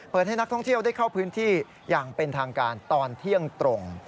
ให้นักท่องเที่ยวได้เข้าพื้นที่อย่างเป็นทางการตอนเที่ยงตรง